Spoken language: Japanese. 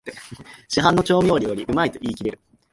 市販の調味料よりうまいと言いきれる